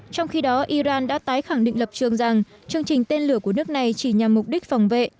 trong khi đó iran đã tái khẳng định lập trường rằng chương trình tên lửa của nước này chỉ nhằm mục đích phòng vệ